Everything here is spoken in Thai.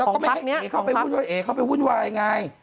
ของภักดิ์เนี่ยของภักดิ์แล้วก็ไม่ให้เอ๊เข้าไปหุ้นวายไง